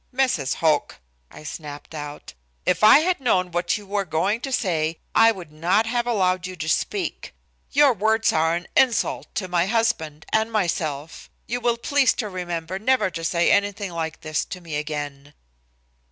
"Mrs. Hoch," I snapped out, "if I had known what you were going to say, I would not have allowed you to speak. Your words are an insult to my husband and myself. You will please to remember never to say anything like this to me again."